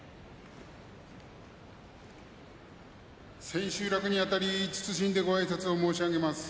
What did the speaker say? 千秋楽にあたり謹んでごあいさつを申し上げます。